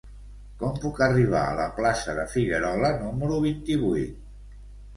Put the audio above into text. Com puc arribar a la plaça de Figuerola número vint-i-vuit?